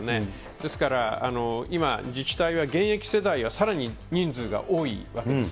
ですから今、自治体は現役世代はさらに人数が多いわけです。